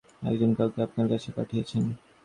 একজন কাউকে আপনার কাছে পাঠিয়েছেন।